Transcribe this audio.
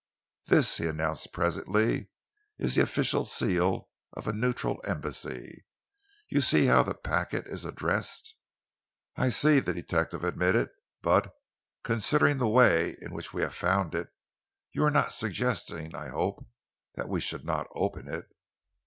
"This," he announced presently, "is the official seal of a neutral Embassy. You see how the packet is addressed?" "I see," the detective admitted, "but, considering the way in which we have found it, you are not suggesting, I hope, that we should not open it?"